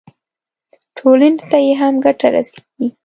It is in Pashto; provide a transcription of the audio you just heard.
ټولنې ته یې هم ګټه رسېږي.